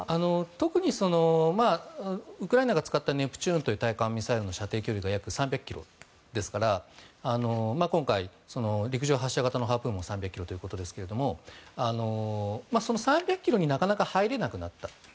特にウクライナが使ったネプチューンという対艦ミサイルの射程距離が約３００ｋｍですから今回、陸上発射型のハープーンも３００ｋｍということですけどその３００ｋｍになかなか入れなくなった。